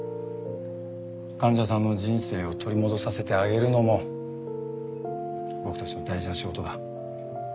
患者さんの人生を取り戻させてあげるのも僕たちの大事な仕事だ。